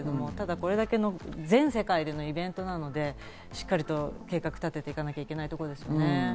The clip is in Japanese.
これだけ全世界でのイベントなので、しっかりと計画を立てていかなければいけないですね。